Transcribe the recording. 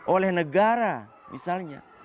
oleh negara misalnya